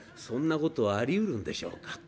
そんなことはありうるんでしょうか？